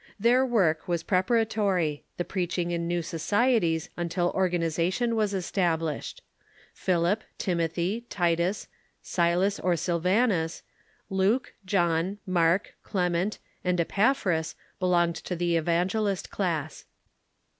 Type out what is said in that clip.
Their Avork was pre paratory— the preaching in new societies until organization ECCLESIASTICAL ORGANIZATION 25 was established. Philip, Timothy, Titus, Silas or Silvanus, Luke, John, Mark, Clement, and Epajjhras belonged to the evangelist class.